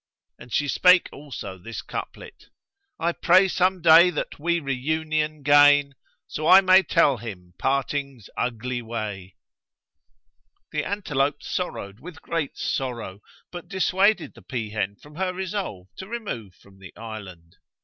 And she spake also this couplet, "I pray some day that we reunion gain, * So may I tell him Parting's ugly way." The antelope sorrowed with great sorrow, but dissuaded the peahen from her resolve to remove from the island.